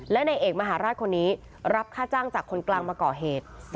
และในเอกมหาราชคนนี้รับค่าจ้างจากคนกลางมาก่อเหตุ